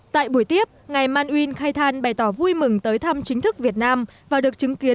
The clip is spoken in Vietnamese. tại buổi tiếp ngài man uyên khai thàn bày tỏ vui mừng tới thăm chính thức việt nam và được chứng kiến